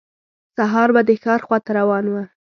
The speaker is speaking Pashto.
سهار به د ښار خواته روان و.